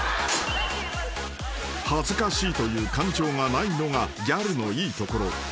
［恥ずかしいという感情がないのがギャルのいいところ］